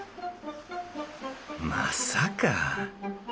まさか。